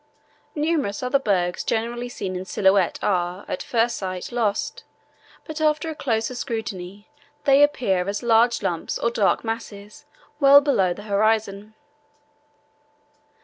Numerous other bergs generally seen in silhouette are, at first sight, lost, but after a closer scrutiny they appear as large lumps or dark masses well below the horizon.